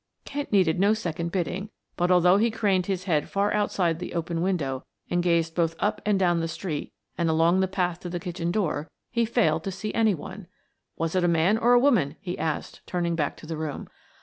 Kent needed no second bidding, but although he craned his head far outside the open window and gazed both up and down the street and along the path to the kitchen door, he failed to see any one. "Was it a man or woman?" he asked, turning back to the room.